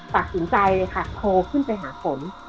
ตัดสินใจเลยค่ะโทรขึ้นไปหาผม